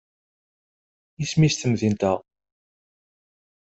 Isem-is temdint-a?